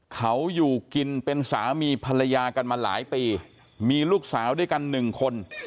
เขาอยู่กินเป็นสามีภรรยากันมาหลายปีมีลูกสาวด้วยกันหนึ่งคน